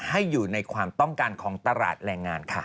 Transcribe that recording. ให้อยู่ในความต้องการของตลาดแรงงานค่ะ